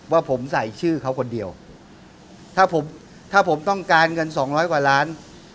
ว่าผมใส่ชื่อเขาคนเดียวถ้าผมต้องการเงิน๒๐๐กว่าล้าน